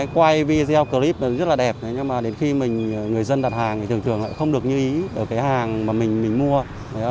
quay video clip rất là đẹp nhưng mà đến khi mình người dân đặt hàng thì thường thường lại không được như ý ở cái hàng mà mình mua